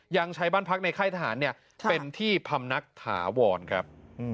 ยังใช้บ้านพักในค่ายทหารเป็นที่พำนักถาวรครับ